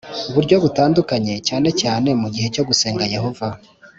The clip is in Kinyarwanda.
Buryo butandukanye cyane cyane mugihe cyo gusenga yohova.